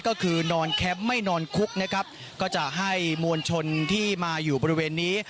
ก็คือนอนแคมป์ไม่นอนคุกนะครับก็จะให้มวลชนที่มาอยู่บริเวณนี้